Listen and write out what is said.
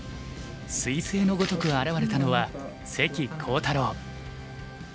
すい星のごとく現れたのは関航太郎。